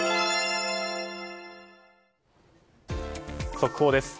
速報です。